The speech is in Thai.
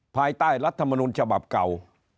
ภายใต้รัฐมนุนฉบับเก่า